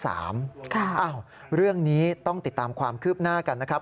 เรื่องนี้ต้องติดตามความคืบหน้ากันนะครับ